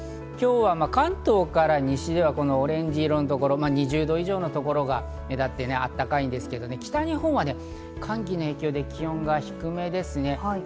今日は関東から西ではこのオレンジ色のところ、２０度以上のところが目立ってあったかいんですけど、北日本は寒気の影響で気温が低めですね。